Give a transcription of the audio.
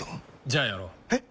じゃあやろう。え？